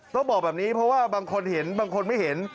ต้องบอกแบบนี้เพราะว่าบางคนเห็นบางคนไม่เห็น